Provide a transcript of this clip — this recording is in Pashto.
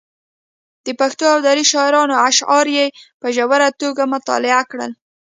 د پښتو او دري شاعرانو اشعار یې په ژوره توګه مطالعه کړل.